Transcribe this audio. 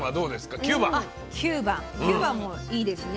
９番もいいですね。